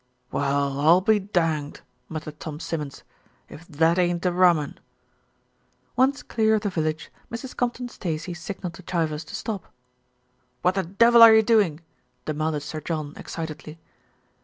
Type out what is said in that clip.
"Well, I'll be danged!" muttered Tom Simmons, "if that ain't a rum un." Once clear of the village, Mrs. Compton Stacey sig nalled to Chivers to stop. "What the devil are you doing?" demanded Sir John excitedly.